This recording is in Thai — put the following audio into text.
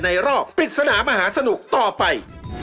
รอบปริศนามหาสนุกต่อไป